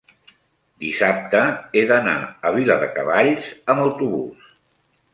dissabte he d'anar a Viladecavalls amb autobús.